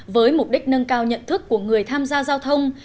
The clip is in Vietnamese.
với mục đích nâng cao nhận thức của người tham gia giao thông